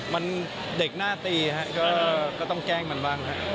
มันเด็กหน้าตีฮะก็ต้องแกล้งมันบ้างครับ